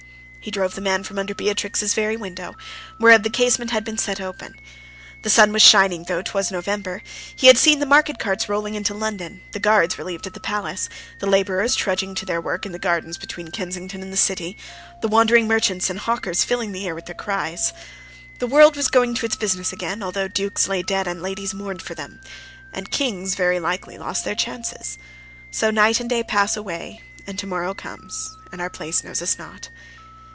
He drove the man from under Beatrix's very window, whereof the casement had been set open. The sun was shining though 'twas November: he had seen the market carts rolling into London, the guard relieved at the palace, the laborers trudging to their work in the gardens between Kensington and the City the wandering merchants and hawkers filling the air with their cries. The world was going to its business again, although dukes lay dead and ladies mourned for them; and kings, very likely, lost their chances. So night and day pass away, and to morrow comes, and our place knows us not.